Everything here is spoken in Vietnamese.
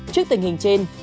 trước tình hình trên